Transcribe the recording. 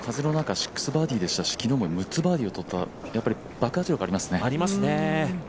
６バーディーでしたし、昨日も６つバーディーをとった爆発力ありますね。